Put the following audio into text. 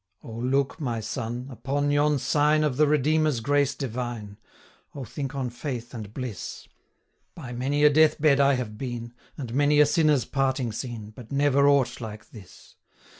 O, look, my son, upon yon sign Of the Redeemer's grace divine; O, think on faith and bliss! By many a death bed I have been, 980 And many a sinner's parting seen, But never aught like this.'